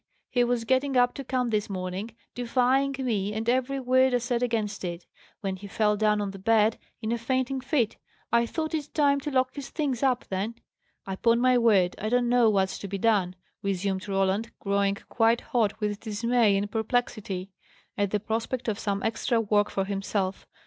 He was getting up to come this morning, defying me and every word I said against it, when he fell down on the bed in a fainting fit. I thought it time to lock his things up then." "Upon my word, I don't know what's to be done," resumed Roland, growing quite hot with dismay and perplexity, at the prospect of some extra work for himself.